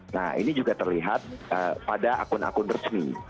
nah ini juga terlihat pada akun akun resmi